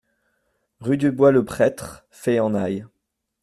Rue du Bois le Prêtre, Fey-en-Haye